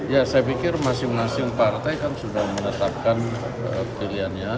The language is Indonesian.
ya saya pikir masing masing partai kan sudah menetapkan pilihannya